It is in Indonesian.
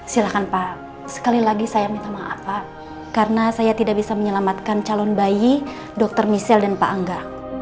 silahkan pak sekali lagi saya minta maaf pak karena saya tidak bisa menyelamatkan calon bayi dr michelle dan pak angga